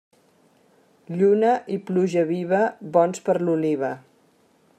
Lluna i pluja viva, bons per l'oliva.